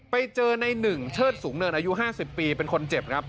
ไปเจอในหนึ่งเชิดสูงเนินอายุ๕๐ปีเป็นคนเจ็บครับ